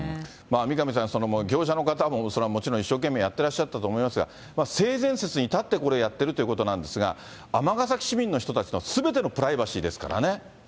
三上さん、業者の方もそれはもうもちろん一生懸命やってらっしゃったと思いますが、性善説に立ってこれをやってるということなんですが、尼崎市の市民の人たちのすべてのプライバシーですからね。